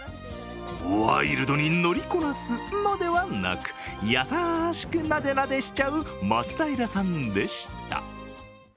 ワイルドに乗りこなすのではなく優しくなでなでしちゃう松平さんでした。